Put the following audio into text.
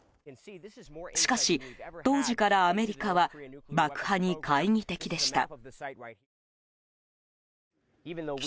しかし、当時からアメリカは爆破に懐疑的でした。